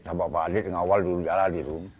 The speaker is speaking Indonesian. sama pak adit yang awal jalan